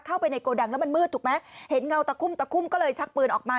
เข้าไปในโกดังแล้วมันมืดถูกไหมเห็นเงาตะคุ่มตะคุ่มก็เลยชักปืนออกมา